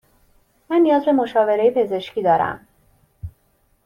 من نیاز به مشاوره پزشکی دارم.